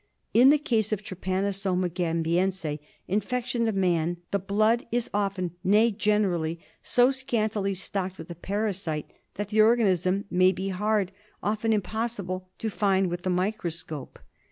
In the case of Trypajiosoma gambiense infection of man the blood is often, nay generally, so scantily stocked with the parasite that the organism may be hard, often impossible, to find with the microscope.